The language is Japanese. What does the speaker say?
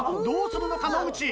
どうするのか野口。